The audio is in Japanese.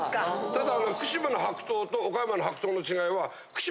ただ。